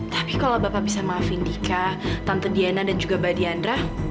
tapi kalau bapak bisa maafin dika tante diana dan juga mbak diandra